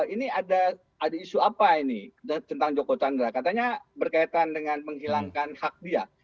ini ada isu apa ini tentang joko chandra katanya berkaitan dengan menghilangkan hak dia